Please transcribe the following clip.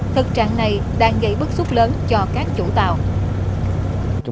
thực trạng này đang gây bức xúc lớn cho các chủ tàu